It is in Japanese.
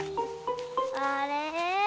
あれ？